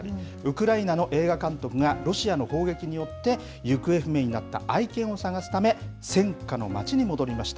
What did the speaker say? ウクライナの映画監督が、ロシアの砲撃によって行方不明になった愛犬を捜すため、戦禍の街に戻りました。